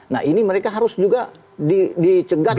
nah ini mereka harus juga dicegah